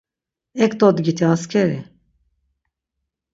Ek dodgiti askeri!